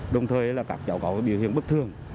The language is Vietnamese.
đồng thời là các cháu có biểu hiện bất thường